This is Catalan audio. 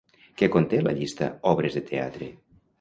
Què conté la llista "obres de teatre"?